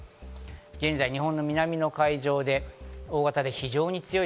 現在、日本の南の海上で、大型で非常に強い。